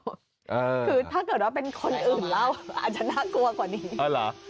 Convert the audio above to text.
คือถ้าเกิดว่าเป็นคนอื่นเล่าอาจจะน่ากลัวกว่านี้